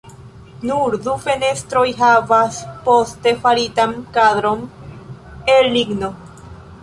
Nur du fenestroj havas poste faritan kadron el ligno.